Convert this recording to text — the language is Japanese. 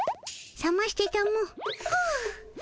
さましてたも。